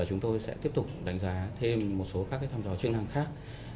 chúng tôi sẽ tiếp tục đánh giá thêm một số tham gia truyền thông khác